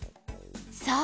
そう！